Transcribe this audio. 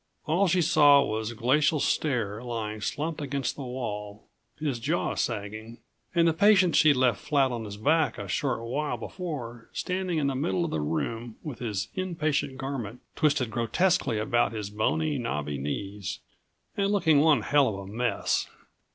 All she saw was Glacial Stare lying slumped against the wall, his jaw sagging and the patient she'd left flat on his back a short while before standing in the middle of the room with his in patient garment twisted grotesquely about his bony, knobby knees and looking one hell of a mess.